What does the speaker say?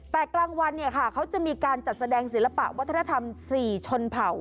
แต่กลางวันเนี่ยค่ะเขาจะมีการจัดแสดงศิลปะวัฒนธรรม๔ชนเผ่า